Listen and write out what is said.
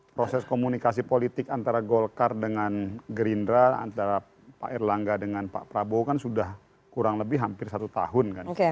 proses komunikasi politik antara golkar dengan gerindra antara pak erlangga dengan pak prabowo kan sudah kurang lebih hampir satu tahun kan